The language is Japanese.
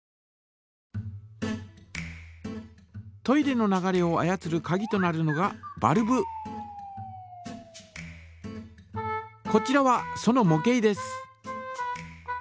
トイレの流れを操るかぎとなるのがこちらはそのも型です。